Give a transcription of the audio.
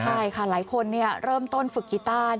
ใช่ค่ะหลายคนเริ่มต้นฝึกกีต้า